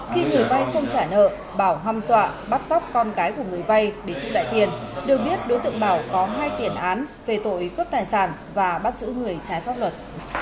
khi người vay không trả nợ bảo hâm dọa bắt cóc con cái của người vay để thu lại tiền được biết đối tượng bảo có hai tiền án về tội cướp tài sản và bắt giữ người trái pháp luật